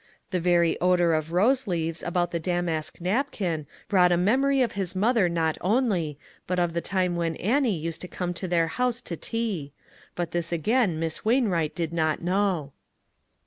The very odor of rose leaves about the damask napkin brought a mem ory of his mother not only but of the time when Annie used to come to their house to tea ; but this again Miss Wainwright did not know.